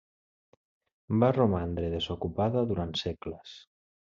Va romandre desocupada durant segles.